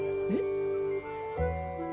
えっ？